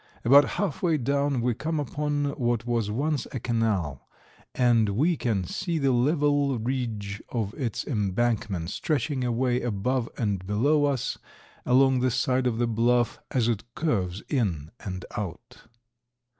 About half way down we come upon what was once a canal, and we can see the level ridge of its embankment stretching away above and below us along the side of the bluff, as it curves in and out.